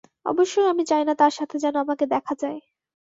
অবশ্যই আমি চাইনা তার সাথে যেন আমাকে দেখা যায়।